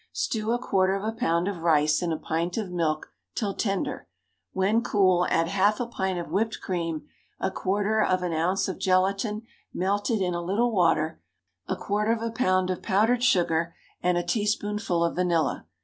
Stew a quarter of a pound of rice in a pint of milk till tender; when cool, add half a pint of whipped cream, a quarter of an ounce of gelatine melted in a little water, a quarter of a pound of powdered sugar, and a teaspoonful of vanilla.